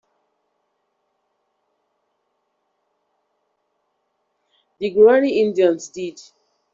The Guarani Indians did.